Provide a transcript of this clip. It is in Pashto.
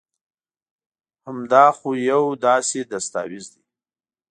هم دا خو يو داسي دستاويز دي